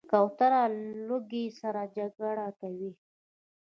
کوتره له لوږې سره جګړه کوي.